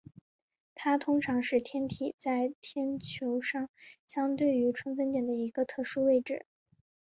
它通常是天体在天球上相对于春分点的一个特殊位置。